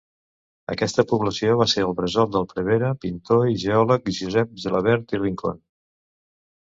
Aquesta població va ser el bressol del prevere, pintor i geòleg Josep Gelabert i Rincón.